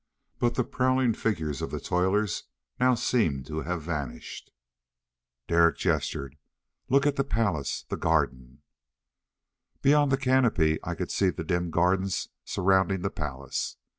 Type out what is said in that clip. But the prowling figures of the toilers now seemed to have vanished. Derek gestured. "Look at the palace! The garden!" Beyond the canopy I could see the dim gardens surrounding the palace.